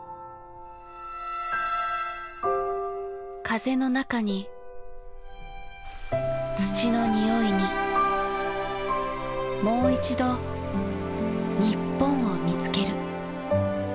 風の中に土の匂いにもういちど日本を見つける。